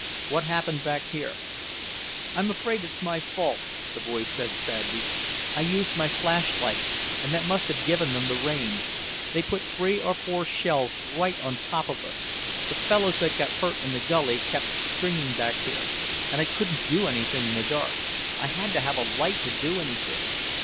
What happened back here?" "I'm afraid it's my fault," the voice said sadly. "I used my flash light, and that must have given them the range. They put three or four shells right on top of us. The fellows that got hurt in the gully kept stringing back here, and I couldn't do anything in the dark. I had to have a light to do anything.